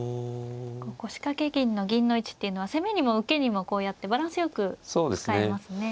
腰掛け銀の銀の位置っていうのは攻めにも受けにもこうやってバランスよく使えますね。